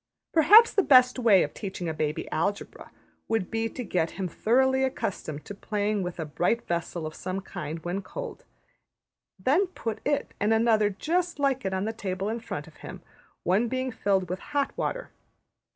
Perhaps the best way of teaching a baby Algebra would be to get him thoroughly accustomed to playing with a bright vessel of some kind when cold; then put it and another just like it on the table in front of him, one being filled with hot water.